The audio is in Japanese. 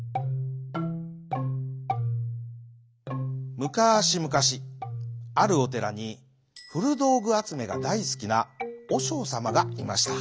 むかしむかしあるおてらにふるどうぐあつめがだいすきなおしょうさまがいました。